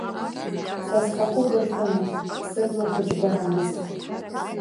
Са схахәы бырфынын, сыблақәа џьбарамызт.